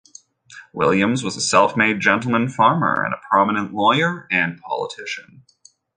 Williams was a self-made gentleman farmer, and a prominent lawyer and politician.